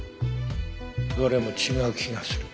どれも違う気がする。